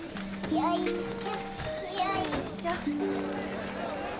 よいしょ。